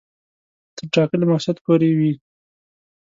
تر ټاکلي مقصده پوري وي.